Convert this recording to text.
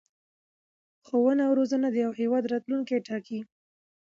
ښوونه او رزونه د یو هېواد راتلوونکی ټاکي.